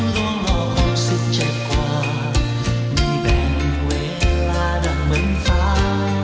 ร่วงรอบสิ้นเจ็บกว่าไม่แบ่งเวลาดำเหมือนฟ้า